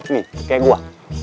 nih kayak gua